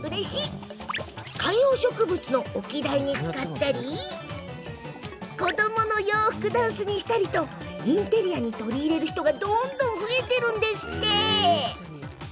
観葉植物の置き台に使ったり子どもの洋服ダンスにしたりとインテリアに取り入れる人が増えているんですって。